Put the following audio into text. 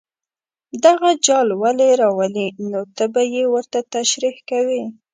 دغه جال ولې راولي نو ته به یې ورته تشریح کوې.